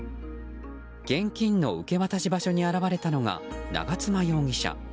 現金の受け渡し場所に現れたのが長妻容疑者。